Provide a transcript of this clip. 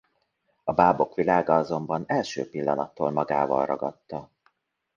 A bábok világa azonban első pillanattól magával ragadta.